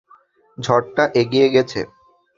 ঝড়টা এগিয়ে গেছে।